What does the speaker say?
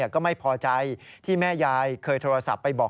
ก็ไม่พอใจที่แม่ยายเคยโทรศัพท์ไปบอก